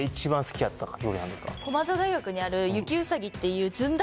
駒沢大学にある雪うさぎっていうずんだ